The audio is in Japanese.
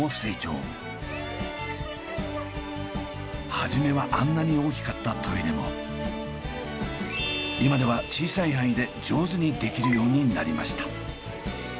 初めはあんなに今では小さい範囲で上手にできるようになりました。